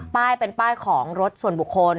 ป้ายเป็นป้ายของรถส่วนบุคคล